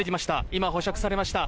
今、保釈されました。